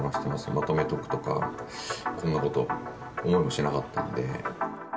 まとめておくとか、こんなこと思いもしなかったんで。